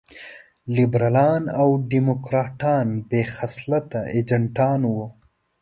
لېبرالان او ډيموکراټان بې خصلته اجنټان وو.